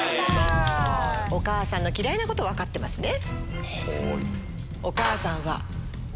お母さんの嫌いなこと分かってますね。